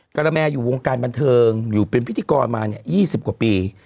กระแมอยู่วงการบันเทิงอยู่เป็นพิธีกรมา๒๐กว่าปี